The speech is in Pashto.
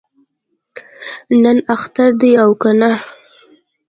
نن اختر دی او کنه؟